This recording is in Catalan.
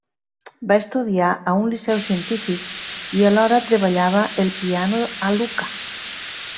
Va estudiar a un liceu científic i alhora treballava el piano a Lucca.